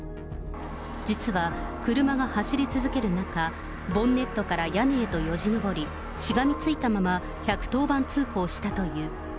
実は、車が走り続ける中、ボンネットから屋根へとよじ登り、しがみついたまま、１１０番通報したという。